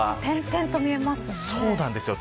点々と見えますね。